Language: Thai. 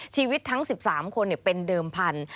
ชีวิตทั้ง๑๓คนเป็นเดิมพันธุ